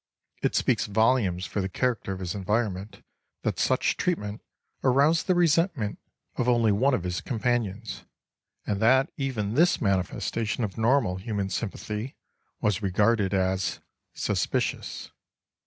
It speaks volumes for the character of his environment that such treatment aroused the resentment of only one of his companions, and that even this manifestation of normal human sympathy was regarded as "suspicious."